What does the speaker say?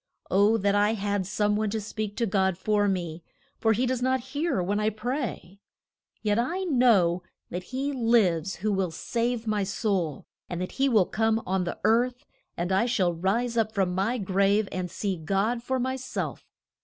O, that I had some one to speak to God for me, for he does not hear when I pray. Yet I know that he lives who will save my soul, and that he will come on the earth, and I shall rise up from my grave and see God for my self.